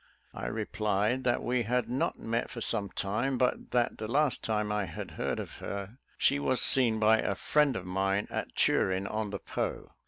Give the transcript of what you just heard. I replied that we had not met for some time; but that the last time I had heard of her, she was seen by a friend of mine at Turin on the Po.